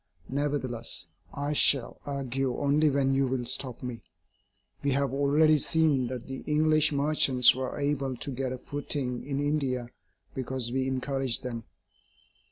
Nevertheless, I shall argue only when you will stop me. We have already seen that the English merchants were able to get a footing in India because we encouraged them.